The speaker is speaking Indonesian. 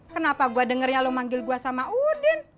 kenapa gua dengernya lu manggil gua sama udin